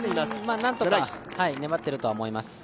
何とか粘っているとは思います。